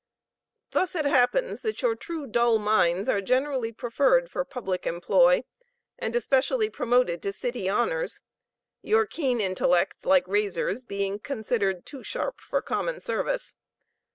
Thus it happens that your true dull minds are generally preferred for public employ, and especially promoted to city honors; your keen intellects, like razors, being considered too sharp for common service.